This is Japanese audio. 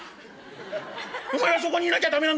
お前はそこにいなきゃ駄目なんだよ。